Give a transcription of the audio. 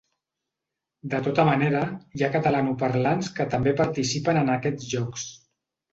De tota manera, hi ha catalanoparlants que també participen en aquests jocs.